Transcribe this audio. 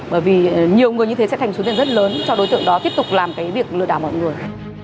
bởi vì nhiều người như thế sẽ thành số tiền rất lớn cho đối tượng đó tiếp tục làm việc lừa đảo mọi người